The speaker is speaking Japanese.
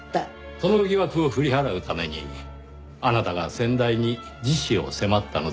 その疑惑を振り払うためにあなたが先代に自死を迫ったのでしょうか？